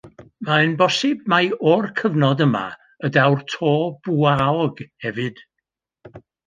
Mae'n bosib mai o'r cyfnod yma y daw'r to bwaog hefyd.